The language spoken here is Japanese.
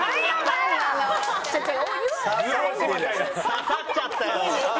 刺さっちゃったよ。